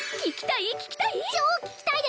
聞きたい？